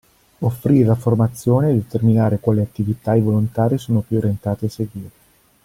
Offrire la formazione e determinare quali attività i volontari sono più orientati a seguire.